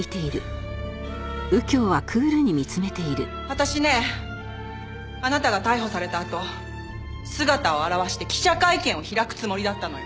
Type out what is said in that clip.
私ねあなたが逮捕されたあと姿を現して記者会見を開くつもりだったのよ。